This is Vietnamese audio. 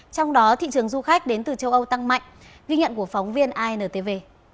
trong đó thị trường du khách đến từ châu âu tăng mạnh ghi nhận của phóng viên intv